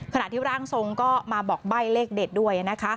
ขณะที่ร่างทรงก็มาบอกใบ้เลขเด็ดด้วยนะคะ